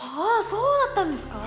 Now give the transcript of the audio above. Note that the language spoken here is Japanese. そうだったんですか！